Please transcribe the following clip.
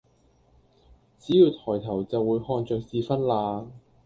只要抬頭就會看著智勳啦！